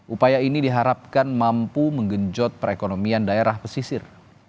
upaya ini diharapkan mampu menggenjot perekonomian daerah pesisir